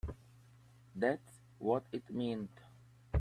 That's what it means!